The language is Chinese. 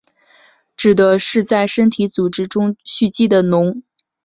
指的是在身体组织中蓄积的脓。